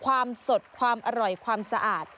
ความสดความอร่อยความสะอาด